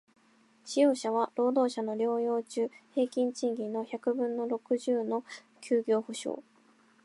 使用者は、労働者の療養中平均賃金の百分の六十の休業補償